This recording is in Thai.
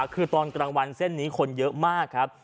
คือตอนกลางวันเส้นนี้คนเยอะมากครับ